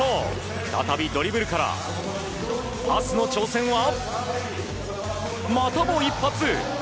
再びドリブルからパスの挑戦はまたも一発！